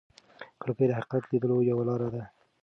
کړکۍ د حقیقت لیدلو یوه لاره ده.